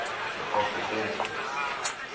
incompetente